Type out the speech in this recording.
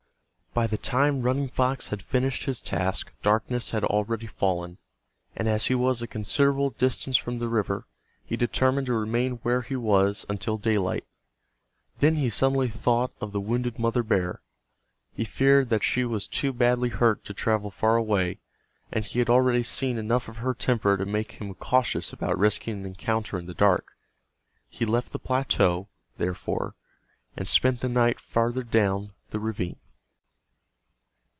By the time Running Fox had finished his task darkness had already fallen, and as he was a considerable distance from the river he determined to remain where he was until daylight. Then he suddenly thought of the wounded mother bear. He feared that she was too badly hurt to travel far away, and he had already seen enough of her temper to make him cautious about risking an encounter in the dark. He left the plateau, therefore, and spent the night farther down the ravine.